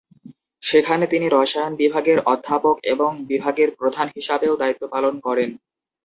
সেখানে তিনি রসায়ন বিভাগের অধ্যাপক এবং বিভাগের প্রধান হিসাবেও দায়িত্ব পালন করেন।